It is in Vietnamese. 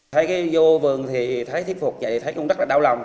thấy cái vô vườn thì thấy thiết phục vậy thì thấy cũng rất là đau lòng